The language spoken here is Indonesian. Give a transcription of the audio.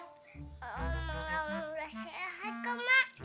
enggak boleh udah sehat kok mak